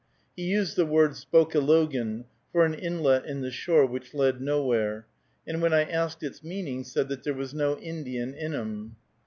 He used the word "spokelogan" (for an inlet in the shore which led nowhere), and when I asked its meaning said that there was "no Indian in 'em."